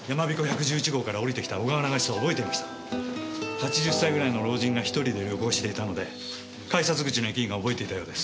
８０歳ぐらいの老人が１人で旅行していたので改札口の駅員が覚えていたようです。